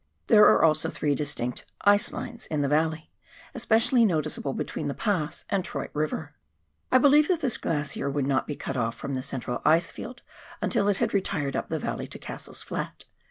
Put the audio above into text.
There are also three very distinct " ice lines " in the valley, especially noticeable between the Pass and Troyte Eiver. I believe that this glacier would not be cut off from the central ice field until it had retired up the valley to Cassell's Flat.